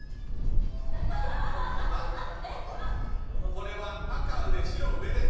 これは赤上、白上です。